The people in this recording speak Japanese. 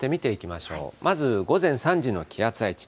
まず午前３時の気圧配置。